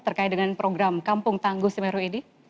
terkait dengan program kampung tangguh semeru ini